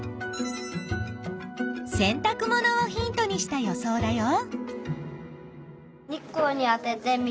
せんたく物をヒントにした予想だよ。